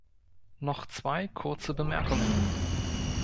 Noch zwei kurze Bemerkungen.